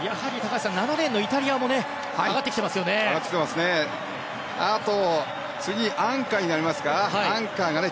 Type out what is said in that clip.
７レーンのイタリアも上がってきていますよね。